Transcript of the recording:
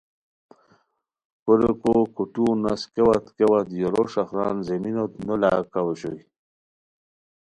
کو ریکو کھوٹو نس کیا وت کیا وت یورو ݰخران زمینوت نو لا کاؤ اوشوئے